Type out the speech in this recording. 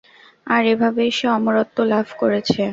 আর এভাবেই সে অমরত্ব লাভ করেছে।